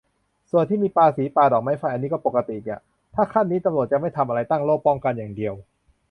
ส่วนที่มีปาสี ปาดอกไม้ไฟ อันนี้ก็ปกติอีกอ่ะ ถ้าขั้นนี้ตำรวจจะไม่ทำอะไร ตั้งโล่ป้องกันอย่างเดียว